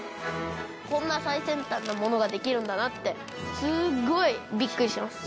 こんな最先端なものができるんだなってすごいビックリしてます